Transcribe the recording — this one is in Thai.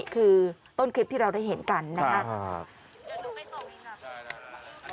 คือต้นคลิปที่เราได้เห็นกันนะครับ